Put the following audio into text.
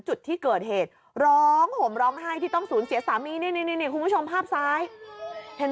จุดที่เกิดเหตุร้องห่มร้องไห้ที่ต้องสูญเสียสามีนี่คุณผู้ชมภาพซ้ายเห็น